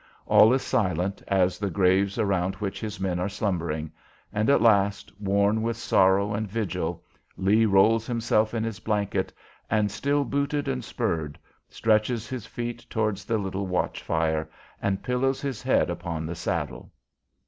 All is silent as the graves around which his men are slumbering, and at last, worn with sorrow and vigil, Lee rolls himself in his blanket and, still booted and spurred, stretches his feet towards the little watch fire, and pillows his head upon the saddle.